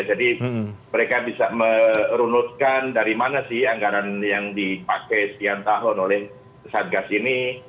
jadi mereka bisa merunutkan dari mana sih anggaran yang dipakai setiap tahun oleh satgas ini